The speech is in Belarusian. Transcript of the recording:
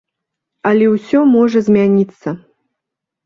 Але ўсё можа змяніцца.